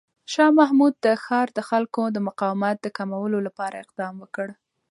شاه محمود د ښار د خلکو د مقاومت د کمولو لپاره اقدامات وکړ.